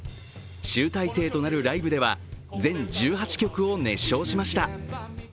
集大成となるライブでは全１８曲を熱唱しました。